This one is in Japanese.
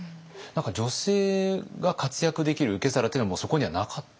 女性が活躍できる受け皿というのはもうそこにはなかった？